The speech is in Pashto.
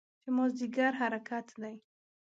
چې مازدیګر حرکت دی.